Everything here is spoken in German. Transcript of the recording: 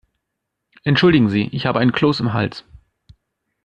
Entschuldigen Sie, ich habe einen Kloß im Hals.